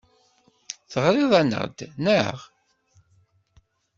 Teɣriḍ-aneɣ-d, naɣ?